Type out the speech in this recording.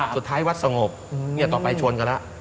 สุดท้ายวัดสงบต่อไปชวนกันล่ะ